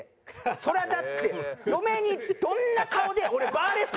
そりゃだって嫁にどんな顔で「俺バーレスクダンサー」。